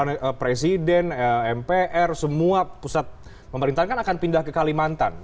karena presiden mpr semua pusat pemerintahan kan akan pindah ke kalimantan